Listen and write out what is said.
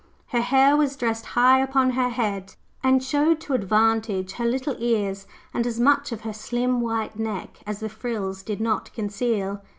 Her hair was dressed high upon her head, and showed to advantage her little ears and as much of her slim white neck as the frills did not conceal.